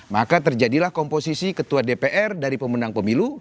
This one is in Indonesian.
maka terjadilah komposisi ketua dpr dari pemenang pemilu